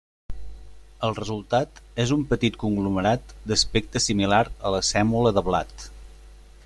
El resultat és un petit conglomerat d’aspecte similar a la sèmola de blat.